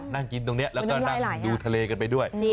นั่งกินตรงนี้แล้วก็นั่งดูทะเลกันไปด้วย